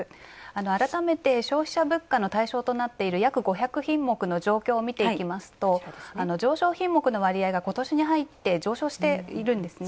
改めて消費者物価の対象となっている約５００品目の状況を見ていきますと上昇品目の割合がことしに入って上昇しているんですね。